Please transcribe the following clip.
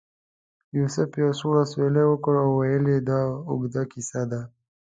یوسف یو سوړ اسویلی وکړ او ویل یې دا اوږده کیسه ده.